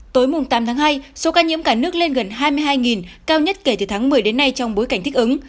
tối tám tháng hai số ca nhiễm cả nước lên gần hai mươi hai cao nhất kể từ tháng một mươi đến nay trong bối cảnh thích ứng